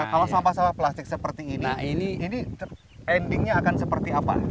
kalau sampah sampah plastik seperti ini ini endingnya akan seperti apa